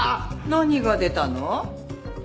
何が出たの？